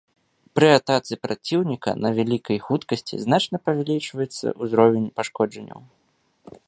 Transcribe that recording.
Пры атацы праціўніка на вялікай хуткасці значна павялічваецца ўзровень пашкоджанняў.